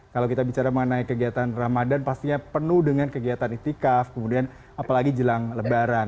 kalau kita bicara mengenai kegiatan ramadan pastinya penuh dengan kegiatan itikaf kemudian apalagi jelang lebaran